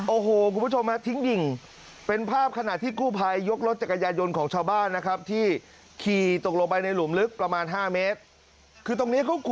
โอ้โฮคุณผู้ชมครับทิ้งดิ่ง